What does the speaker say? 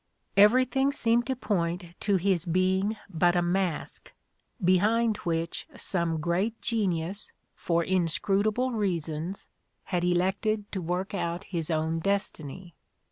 Everything seemed to point to his being but a mask, behind which some great genius, for inscrutable reasons, had elected to work out his own destiny.